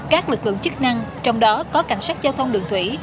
các lực lượng chức năng trong đó có cảnh sát giao thông đường thủy